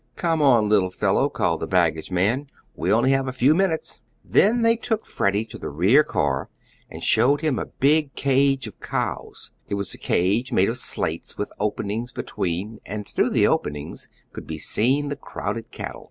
"Come on, little fellow," called the baggage man, "we only have a few minutes." Then they took Freddie to the rear car and showed him a big cage of cows it was a cage made of slates, with openings between, and through the openings could be seen the crowded cattle.